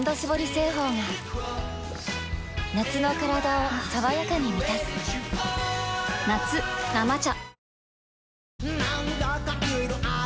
製法が夏のカラダを爽やかに満たす夏「生茶」